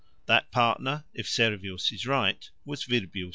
That partner, if Servius is right, was Virbius.